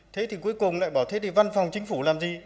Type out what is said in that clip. thế thì cuối cùng lại bỏ thế thì văn phòng chính phủ làm gì